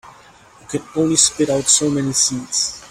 You can only spit out so many seeds.